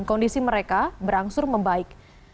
kondisi mereka berangsur membaik